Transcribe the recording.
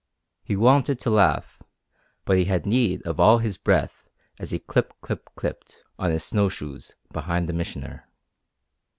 He wanted to laugh, but he had need of all his breath as he clip clip clipped on his snow shoes behind the Missioner.